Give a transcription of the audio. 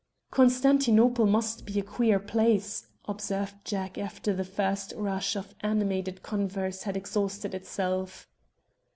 "Constantinople must be a queer place," observed Jack after the first rush of animated converse had exhausted itself.